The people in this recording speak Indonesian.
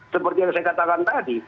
seperti yang saya katakan tadi